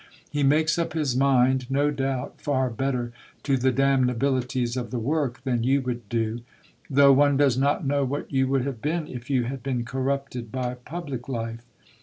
He makes up his mind, no doubt, far better to the damnabilities of the work than you would do, tho' one does not know what you would have been if you had been corrupted by public life.